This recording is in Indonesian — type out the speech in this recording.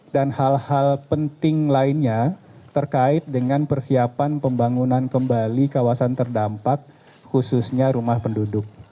dan hal hal penting lainnya terkait dengan persiapan pembangunan kembali kawasan terdampak khususnya rumah penduduk